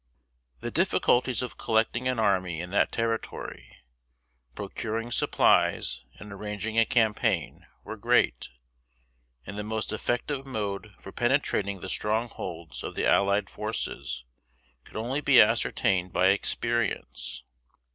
The difficulties of collecting an army in that territory, procuring supplies and arranging a campaign, were great; and the most effective mode for penetrating the strongholds of the allied forces could only be ascertained by experience.